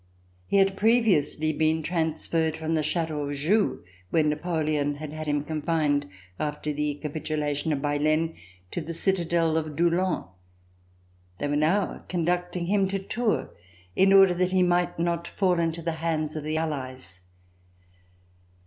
He had previously been transferred from the Chateau of Joux, where Napoleon had had him confined after the capitulation of Baylen, to the citadel of Doullens. They were now conducting him to Tours, in order [ 382 ] THE RETURN OE THE KING that he might not fall into the hands of the Allies.